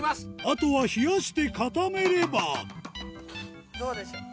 あとは冷やして固めればどうでしょう？